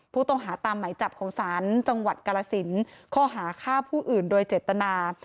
ผู้ต้องหาตามหมายจับของศาลจังหวัดกรสินข้อหาฆ่าผู้อื่นโดยเจตนา